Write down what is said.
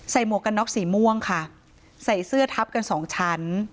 หมวกกันน็อกสีม่วงค่ะใส่เสื้อทับกันสองชั้น